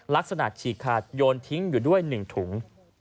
ฉีกขาดโยนทิ้งอยู่ด้วย๑ถุง